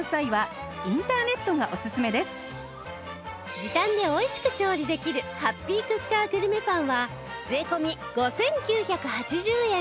時短で美味しく調理できるハッピークッカーグルメパンは税込５９８０円